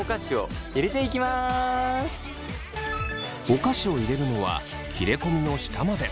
お菓子を入れるのは切れ込みの下まで。